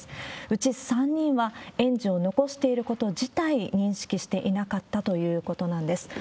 うち３人は、園児を残していること自体、認識していなかったということなんです。